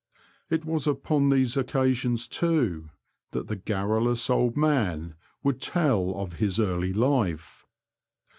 It was upon these occasions, too, that the garrulous old man would tell of his early life.